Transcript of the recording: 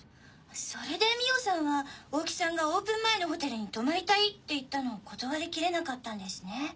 それで美緒さんは大木さんがオープン前のホテルに泊まりたいって言ったのを断りきれなかったんですね。